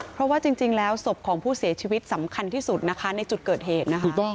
เพราะว่าจริงแล้วศพของผู้เสียชีวิตสำคัญที่สุดนะคะในจุดเกิดเหตุนะคะ